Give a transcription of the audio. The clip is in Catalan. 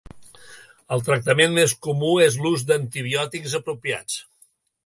El tractament més comú és l'ús d'antibiòtics apropiats.